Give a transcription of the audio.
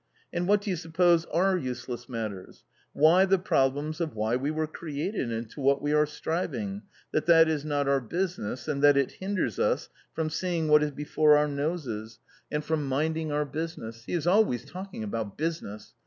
And what do you suppose are useless matters ? Why the problems of why we were created and to what we are striving — that that is not our business and that it hinders us from seeing what is before our noses and from minding 46 A COMMON STORY our business. He is always talking about business